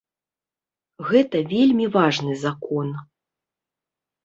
Гэта вельмі важны закон.